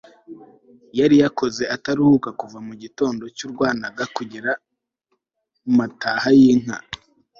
yari yakoze ataruhuka, kuva mu gitondo cy'urwanaga kugera mu mataha y'inka